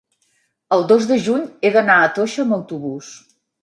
El dos de juny he d'anar a Toixa amb autobús.